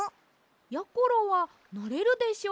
やころはなれるでしょうか？